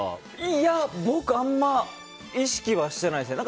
いや、僕はあんまり意識はしてないですね。